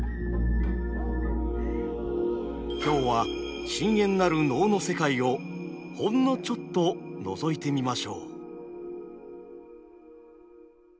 今日は深遠なる能の世界をほんのちょっとのぞいてみましょう。